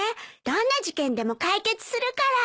どんな事件でも解決するから。